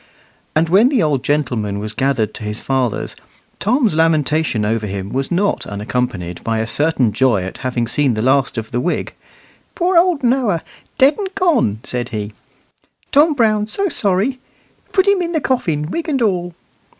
And when the old gentleman was gathered to his fathers, Tom's lamentation over him was not unaccompanied by a certain joy at having seen the last of the wig. "Poor old Noah, dead and gone," said he; "Tom Brown so sorry. Put him in the coffin, wig and all."